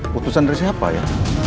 putusan dari siapa ya